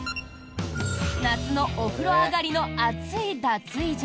夏のお風呂上がりの暑い脱衣所。